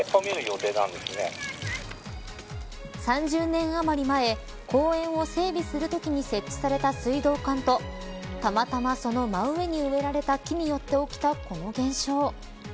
３０年余り前公園を整備するときに設置された水道管とたまたま、その真上に植えられた木によって起きたこの現象。